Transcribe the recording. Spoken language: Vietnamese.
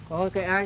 thôi kệ anh